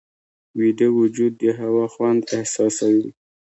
ویده وجود د هوا خوند احساسوي